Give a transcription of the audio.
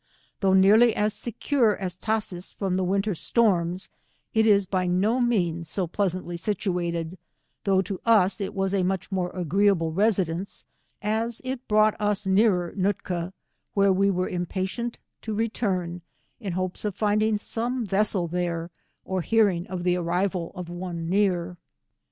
Though nearly as secure as Tashees from the winter storms, it is by no means so pleasantly situated, though to us it was a much more agreeable resi dence, as it brought us nearer Nootka, where we were impatient to return, in hopes of finding some vessel there, or hearing of the arrival of one near.